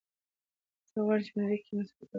زه غواړم چې په نړۍ کې یو مثبت بدلون وګورم.